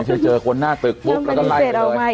ไม่ใช่เจอคนหน้าตึกปุ๊บแล้วก็ไล่กันเลย